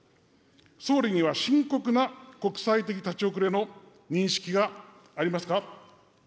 総理には深刻な国際的立ち遅れの認識がありますか。